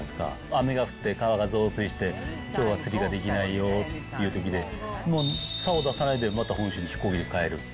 雨が降って川が増水して、きょうは釣りができないよっていうときで、もう、さお出さないでまた本州に飛行機で帰る。